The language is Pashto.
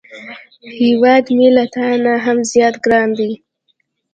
هیواد مې له تا نه هم زیات ګران دی